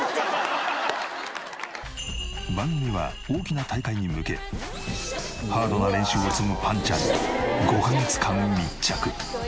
番組は大きな大会に向けハードな練習を積むぱんちゃんに５カ月間密着。